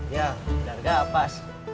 ya harga pas